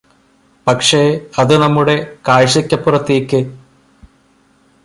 പക്ഷേ അത് നമ്മുടെ കാഴ്ചയ്കപ്പുറത്തേയ്ക്